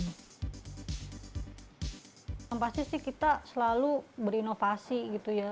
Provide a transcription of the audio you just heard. yang pasti sih kita selalu berinovasi gitu ya